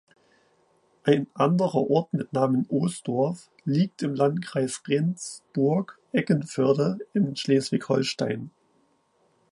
Ein anderer Ort mit Namen Osdorf liegt im Landkreis Rendsburg-Eckernförde in Schleswig-Holstein.